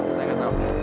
saya gak tau